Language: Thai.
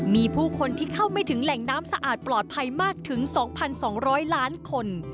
มีผู้คนที่เข้าไม่ถึงแหล่งน้ำสะอาดปลอดภัยมากถึง๒๒๐๐ล้านคน